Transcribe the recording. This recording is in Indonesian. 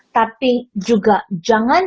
tapi juga jangan